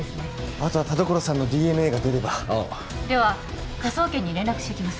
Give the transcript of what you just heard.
あとは田所さんのＤＮＡが出ればおうでは科捜研に連絡してきます